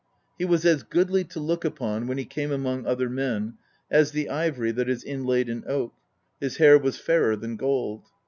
He was as goodly to look upon, when he came among other men, as the ivory that is inlaid in oak; his hair was fairer than gold.